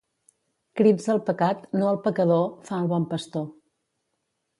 Crits al pecat, no al pecador, fa el bon pastor.